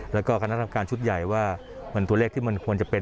แล้วก็คณะกรรมการชุดใหญ่ว่ามันตัวเลขที่มันควรจะเป็น